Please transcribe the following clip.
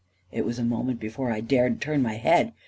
• It was a moment before I dared turn my head